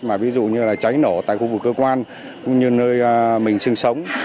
mà ví dụ như cháy nổ tại khu vực cơ quan cũng như nơi mình sống